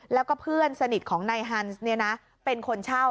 แล้วก็เพื่อนสนิทของนายฮันส์เป็นคนเช่า